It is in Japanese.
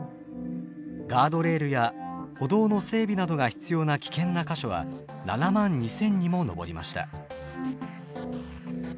ガードレールや歩道の整備などが必要な危険な箇所は７万２，０００にも上りました。